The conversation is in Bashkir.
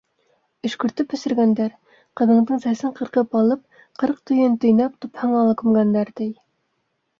Өшкөртөп эсергәндәр, ҡыҙыңдың сәсен ҡырҡып алып, ҡырҡ төйөн төйнәп, тупһаңа ла күмгәндәр, ти.